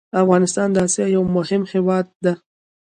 افغانستان د اسيا يو مهم هېواد ده